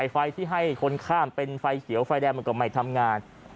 ไฟที่ให้คนข้ามเป็นไฟเขียวไฟแดงมันก็ไม่ทำงาน